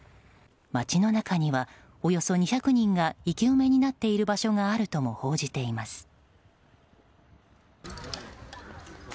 街の中には、およそ２００人が生き埋めになっている場所があるとも報じています。